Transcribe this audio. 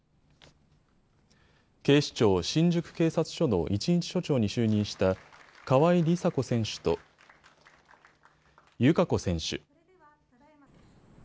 警視庁新宿警察署の一日署長に就任した川井梨紗子選手と友香子選手。